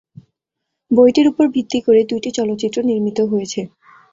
বইটির উপর ভিত্তি করে দুইটি চলচ্চিত্র নির্মিত হয়েছে।